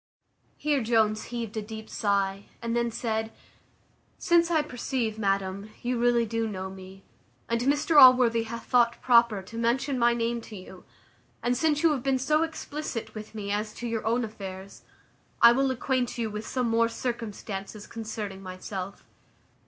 Here Jones heaved a deep sigh, and then said, "Since I perceive, madam, you really do know me, and Mr Allworthy hath thought proper to mention my name to you; and since you have been so explicit with me as to your own affairs, I will acquaint you with some more circumstances concerning myself."